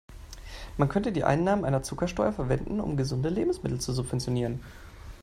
Man könnte die Einnahmen einer Zuckersteuer verwenden, um gesunde Lebensmittel zu subventionieren.